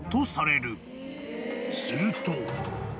［すると］